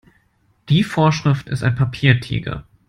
Die Vorschrift ist ein Papiertiger.